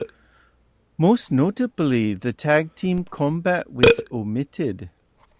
Most notably, the tag team combat was omitted.